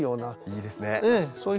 いいですね。